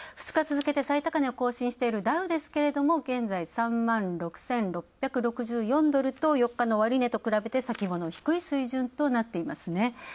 ２日続けて最高値を更新しているダウですが現在３６６６４ドルと、４日の終値と比べ先物低い水準となっています。